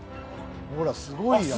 ほらすごいやん！